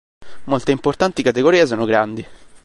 Molte importanti categorie sono grandi.